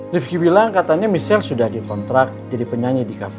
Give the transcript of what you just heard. rifki bilang katanya michelle sudah dikontrak jadi penyanyi di kafe